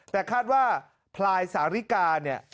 แต่คาดว่าพลายสาริกาเนี่ย